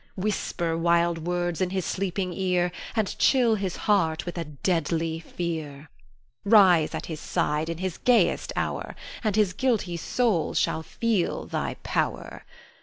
Whisper wild words in his sleeping ear, And chill his heart with a deadly fear. Rise at his side in his gayest hour, And his guilty soul shall feel thy power.